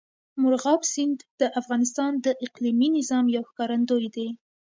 مورغاب سیند د افغانستان د اقلیمي نظام یو ښکارندوی دی.